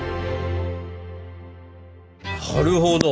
なるほど。